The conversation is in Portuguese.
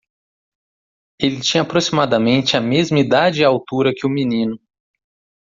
Ele tinha aproximadamente a mesma idade e altura que o menino.